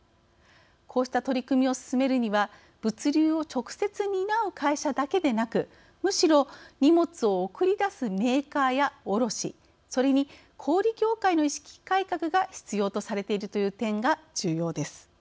こうした取り組みを進めるには物流を直接担う会社だけでなくむしろ荷物を送りだすメーカーや卸それに小売業界の意識改革が必要とされているという点が重要です。